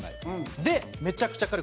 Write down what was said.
で、めちゃくちゃ軽い。